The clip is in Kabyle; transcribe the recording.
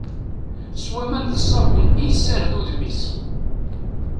S waman d ssabun i yessared udem-is.